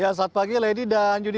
ya selamat pagi lady dan juni